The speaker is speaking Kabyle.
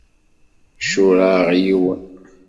Ccuṛeɣ yiwen.